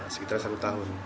sekitar satu tahun